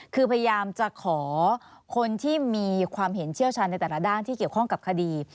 คือพยายามจะขอคนที่มีความเห็นเชี่ยวชาญในแต่ละด้านที่เกี่ยวข้องกับคดี